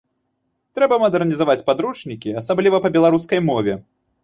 Трэба мадэрнізаваць падручнікі, асабліва па беларускай мове.